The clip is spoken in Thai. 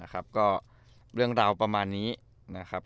ก็เรื่องราวประมาณนี้นะครับ